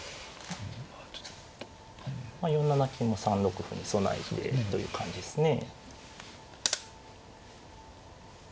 ４七金も３六歩に備えてという感じですね。